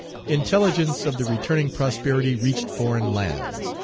Intelligence of the returning prosperity reached foreign lands.